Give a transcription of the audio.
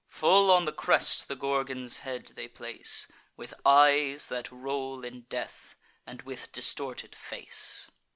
Full on the crest the Gorgon's head they place, With eyes that roll in death, and with distorted face.